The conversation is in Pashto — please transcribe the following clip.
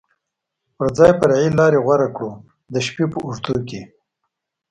پر ځای فرعي لارې غوره کړو، د شپې په اوږدو کې.